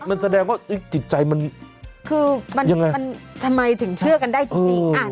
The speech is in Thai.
มันแสดงว่าจิตใจมันคือมันยังไงมันทำไมถึงเชื่อกันได้จริง